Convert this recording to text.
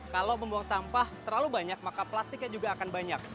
kalau membuang sampah terlalu banyak maka plastiknya juga akan banyak